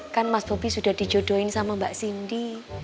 kan mas bobi sudah dijodohin sama mbak cindy